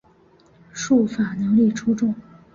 术法能力出众。